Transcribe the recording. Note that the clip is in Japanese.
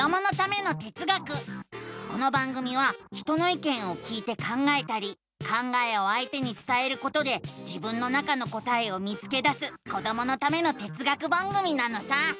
この番組は人のいけんを聞いて考えたり考えをあいてにつたえることで自分の中の答えを見つけだすこどものための哲学番組なのさ！